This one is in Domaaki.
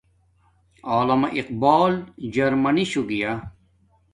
علامہ اقبال جرمنی شو گیا